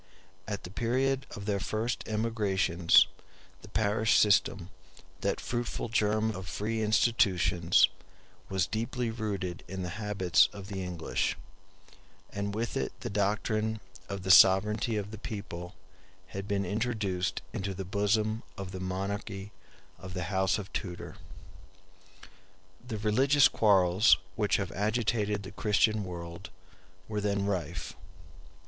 At the period of their first emigrations the parish system, that fruitful germ of free institutions, was deeply rooted in the habits of the English; and with it the doctrine of the sovereignty of the people had been introduced into the bosom of the monarchy of the House of Tudor. The religious quarrels which have agitated the Christian world were then rife.